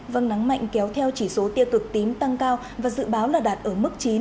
vâng nắng mạnh kéo theo chỉ số tiêu cực tím tăng cao và dự báo là đạt ở mức chín